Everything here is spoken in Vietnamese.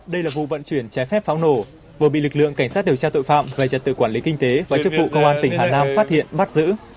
đây là vụ vận chuyển trái phép pháo nổ vừa bị lực lượng cảnh sát điều tra tội phạm về trật tự quản lý kinh tế và chức vụ công an tỉnh hà nam phát hiện bắt giữ